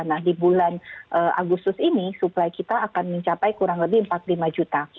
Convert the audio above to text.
nah di bulan agustus ini supply kita akan mencapai kurang lebih empat puluh lima juta